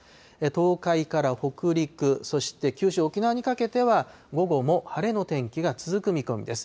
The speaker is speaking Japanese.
東海から北陸、そして九州、沖縄にかけては、午後も晴れの天気が続く見込みです。